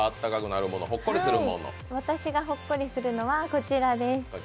私がほっこりするのはこちらです。